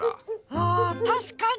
あたしかに。